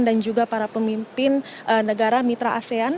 juga para pemimpin negara mitra asean